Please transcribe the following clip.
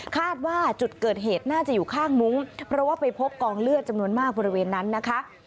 คาดว่าจุดเกิดเหตุน่าจะอยู่ข้างมุ้งเพราะว่าไปพบกองเลือดจำนวนมากบริเวณนั้นนะคะ